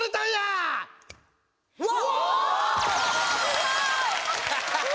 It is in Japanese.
・すごい！